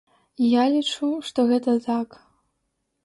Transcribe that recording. Я лічу, што гэта так.